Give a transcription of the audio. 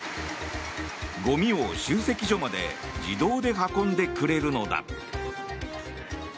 ゴミを集積所まで自動で運んでくれるのだ。